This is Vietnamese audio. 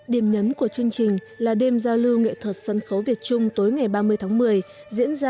điểm nhấn của chương trình là đêm giao lưu nghệ thuật sân khấu việt trung tối ngày ba mươi tháng một mươi diễn ra